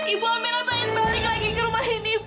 ibu amira pengen balik lagi ke rumah ini ibu